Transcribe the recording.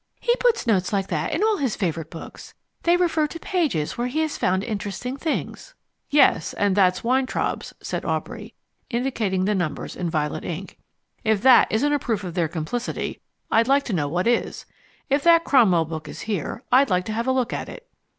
"He puts notes like that in all his favourite books. They refer to pages where he has found interesting things." "Yes, and that's Weintraub's," said Aubrey, indicating the numbers in violet ink. "If that isn't a proof of their complicity, I'd like to know what is. If that Cromwell book is here, I'd like to have a look at it."